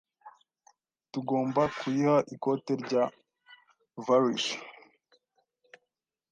Tugomba kuyiha ikote rya varish.